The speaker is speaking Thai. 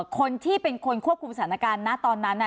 คนที่เป็นคนควบคุมสถานการณ์นะตอนนั้น